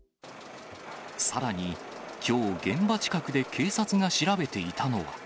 さらに、きょう現場近くで警察が調べていたのは。